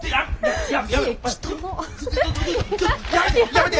やめて！